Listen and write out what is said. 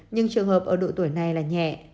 nhưng trường hợp ở độ tuổi này là nhẹ